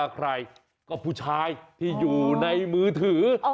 ใครก็ผู้ชายที่อยู่ในมือถือ